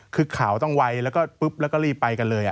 คือขาวต้องไวแล้วก็ปุ๊บแล้วก็รีบไปกันเลย